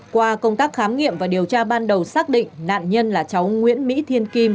qua công tác khám nghiệm và điều tra ban đầu xác định nạn nhân là cháu nguyễn mỹ thiên kim